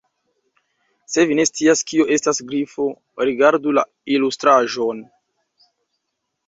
Se vi ne scias kio estas Grifo, rigardu la ilustraĵon.